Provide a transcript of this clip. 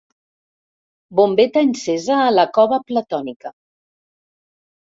Bombeta encesa a la cova platònica.